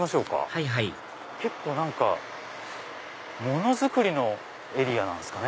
はいはい結構何か物作りのエリアなんですかね。